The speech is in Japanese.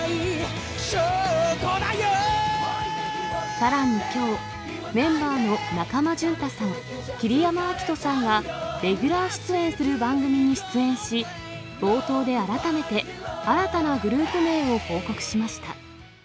さらにきょう、メンバーの中間淳太さん、桐山照史さんがレギュラー出演する番組に出演し、冒頭で改めて新たなグループ名を報告しました。